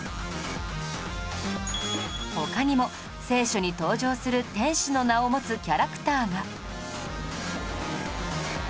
他にも『聖書』に登場する天使の名を持つキャラクターが